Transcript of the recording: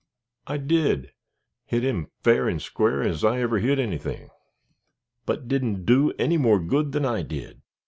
"I did hit him fair and square as I ever hit anything." "But didn't do any more good than I did."